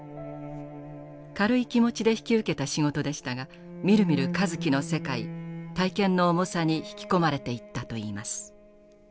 軽い気持ちで引き受けた仕事でしたがみるみる香月の世界体験の重さに引き込まれていったといいます。